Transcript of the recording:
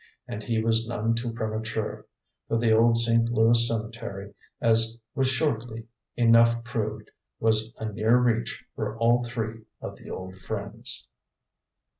And he was none too premature; for the old St. Louis cemetery, as was shortly enough proved, was a near reach for all three of the old friends.